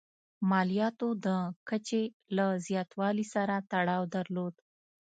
مالیاتو د کچې له زیاتوالي سره تړاو درلود.